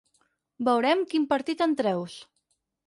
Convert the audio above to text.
Veurem quin partit en treus.